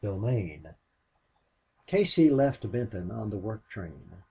29 Casey left Benton on the work train.